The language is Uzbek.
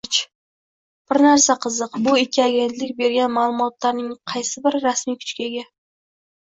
Bir narsa qiziq: bu ikki agentlik bergan ma'lumotlarning qaysi biri rasmiy kuchga ega?